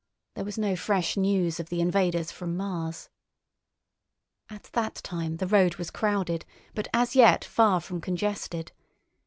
There was no fresh news of the invaders from Mars. At that time the road was crowded, but as yet far from congested.